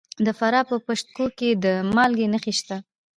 د فراه په پشت کوه کې د مالګې نښې شته.